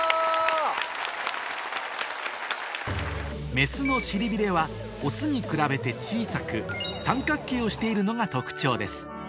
メスの尻びれはオスに比べて小さく三角形をしているのが特徴です